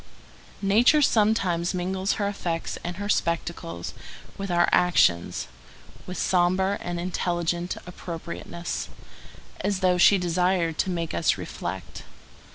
Nature sometimes mingles her effects and her spectacles with our actions with sombre and intelligent appropriateness, as though she desired to make us reflect.